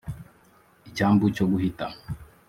Icyambu cyo guhita